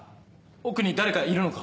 奥に誰かいるのか？